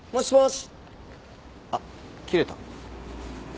あっ切れた。